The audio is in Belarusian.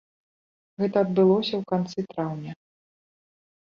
Гэта адбылося ў канцы траўня.